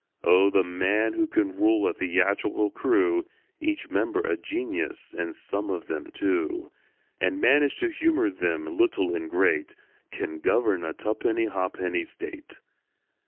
Oh, the man who can rule a theatrical crew, Each member a genius (and some of them two), And manage to humour them, little and great, Can govern a tuppenny ha'penny State!